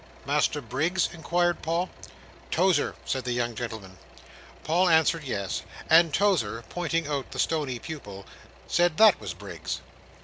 "Master Briggs?" inquired Paul. "Tozer," said the young gentleman. Paul answered yes; and Tozer pointing out the stony pupil, said that was Briggs.